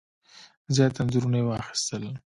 زیات انځورونه یې واخیستل.